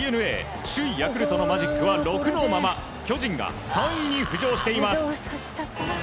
首位ヤクルトのマジックは６のまま巨人が３位に浮上しています。